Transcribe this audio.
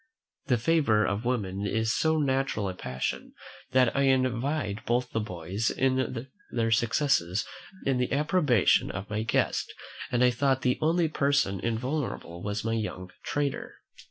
The favour of women is so natural a passion, that I envied both the boys their success in the approbation of my guest; and I thought the only person invulnerable was my young trader.